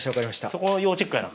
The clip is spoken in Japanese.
そこ要チェックやな